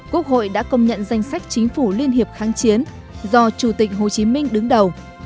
quốc hội đã công nhận danh sách chính phủ liên hiệp kháng chiến do chủ tịch hồ chí minh đứng đầu